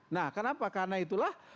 nah kenapa karena itulah